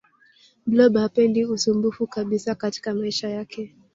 blob hapendi ususmbufu kabisa katika maisha yake